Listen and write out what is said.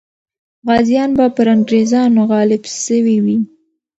غازیان به پر انګریزانو غالب سوي وي.